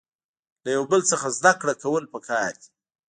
له یو بل څخه زده کړه کول پکار دي.